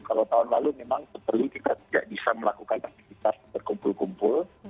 kalau tahun lalu memang perlu kita tidak bisa melakukan aktivitas berkumpul kumpul